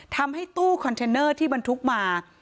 ทำให้ตู้คอนเทนเนอร์ที่บรรทุกมา